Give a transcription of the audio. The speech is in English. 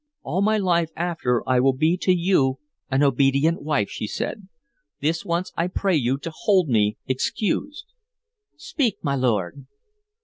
"All my life after I will be to you an obedient wife," she said. "This once I pray you to hold me excused.... Speak, my lord."